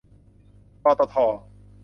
ปตท